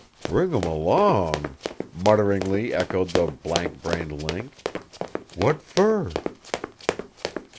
"Bring him along?" mutteringly echoed the blankbrained Link. "What fer?"